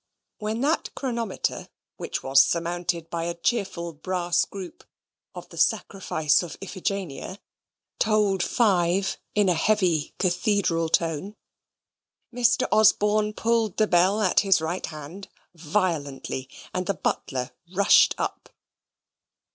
When that chronometer, which was surmounted by a cheerful brass group of the sacrifice of Iphigenia, tolled five in a heavy cathedral tone, Mr. Osborne pulled the bell at his right hand violently, and the butler rushed up.